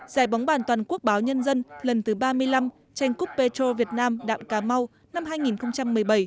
giải bóng bàn toàn quốc báo nhân dân lần thứ ba mươi năm tranh cúp petro việt nam đạm cà mau năm hai nghìn một mươi bảy